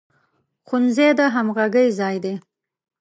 ښوونځی د همغږۍ ځای دی